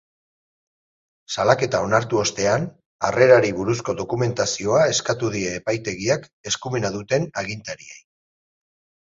Salaketa onartu ostean, harrerari buruzko dokumentazioa eskatu die epaitegiak eskumena duten agintariei.